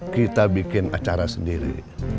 kita bikin acara sendiri